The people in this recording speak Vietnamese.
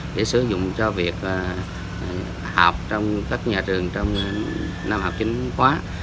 để sử dụng cho việc học trong các nhà trường trong năm học chính khóa